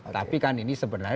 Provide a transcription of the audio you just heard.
tapi kan ini sebenarnya